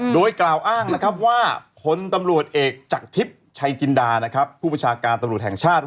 โดยกล่าวอ้างว่าคนตำรวจเอกจักทิพย์ชัยจินดาผู้ประชาการตำรวจแห่งชาติ